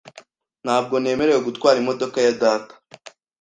Ntabwo nemerewe gutwara imodoka ya data .